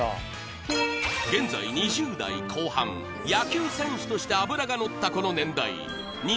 現在２０代後半野球選手として脂がのったこの年代